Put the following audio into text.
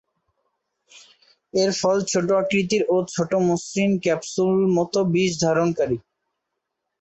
এর ফল ছোট আকৃতির ও ছোট মসৃণ ক্যাপসুল মতো বীজ ধারণকারী।